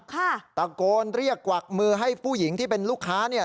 ตะโกนเรียกกวักมือให้ผู้หญิงที่เป็นลูกค้าเนี่ย